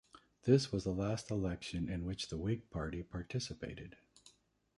This was the last election in which the Whig Party participated.